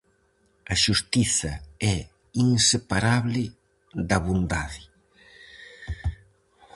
A xustiza é inseparable da bondade.